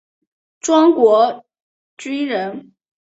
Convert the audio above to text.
庄国钧人。